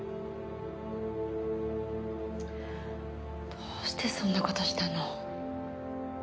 どうしてそんな事したの？